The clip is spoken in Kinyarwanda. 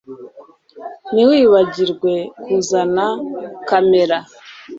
Ntiwibagirwe kuzana kamera